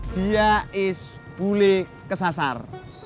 dia is pulih ke sasar